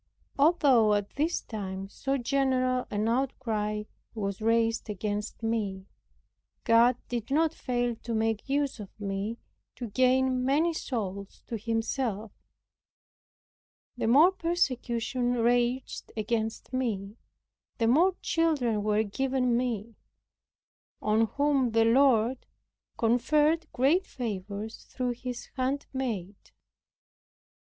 Although at this time so general an outcry was raised against me, God did not fail to make use of me to gain many souls to Himself. The more persecution raged against me the more children were given me, on whom the Lord conferred great favors through His handmaid.